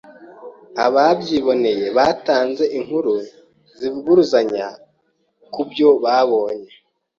Ababyiboneye batanze inkuru zivuguruzanya kubyo babonye.